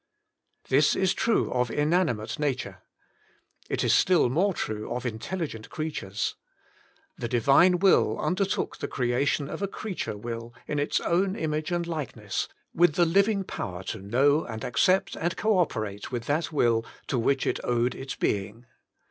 ^' 2. This is true of inanimate nature. It is still more true of intelligent creatures. The Divine Will undertook the creation of a creature will in its own image and likeness, with the living power to know and accept and co operate with that Will to which it owed its being.